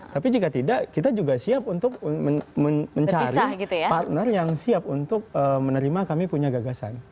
tapi jika tidak kita juga siap untuk mencari partner yang siap untuk menerima kami punya gagasan